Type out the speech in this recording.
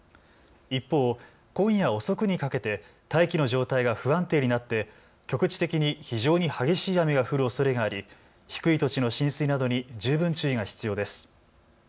一方、今夜遅くにかけて大気の状態が不安定になって局地的に非常に激しい雨が降るおそれがあり低い土地の浸水などに十分注意が必要です。